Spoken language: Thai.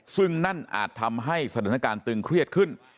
ซึ่งนั่นอาจทำให้สถานการณ์ตึงเครียดขึ้น